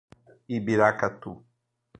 Ibiracatu